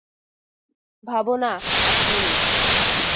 ভাবনা, এক মিনিট।